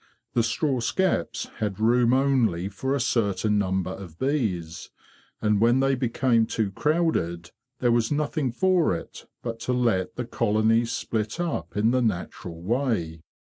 The straw skeps had room only for a certain number of bees, and when they became too crowded there was nothing for it but to let the colonies split up in the natural way.